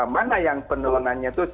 mana yang penolongannya cukup bagus